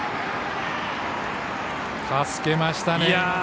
助けましたね。